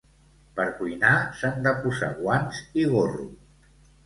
Per cuinar s'han de posar guants i gorro